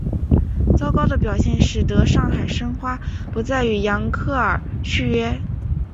糟糕的表现使得上海申花不再与扬克尔续约。